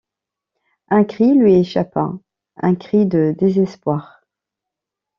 Un cri lui échappa... un cri de désespoir.